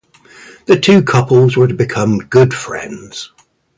The two couples were to become good friends.